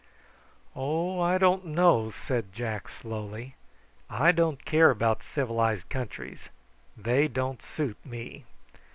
"Oh, I don't know!" said Jack slowly. "I don't care about civilised countries: they don't suit me.